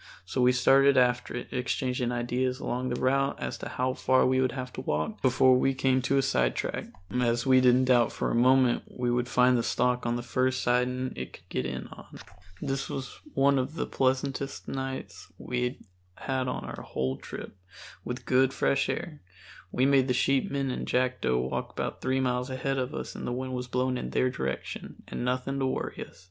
So we started after it, exchanging ideas along the route as to how far we would have to walk before we came to a sidetrack, as we didn't doubt for a moment we would find the stock on the first siding it could get in on. This was one of the pleasantest nights we had on our whole trip, with good fresh air (we made the sheepmen and Jackdo walk about three miles ahead of us and the wind was blowing in their direction) and nothing to worry us.